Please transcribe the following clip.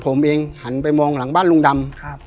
ผมเองหันไปมองหลังบ้านลุงดำ